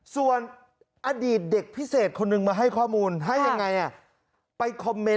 ส่วนอดีตเด็กพิเศษคนหนึ่งมาให้ข้อมูลให้ยังไงไปคอมเมนต์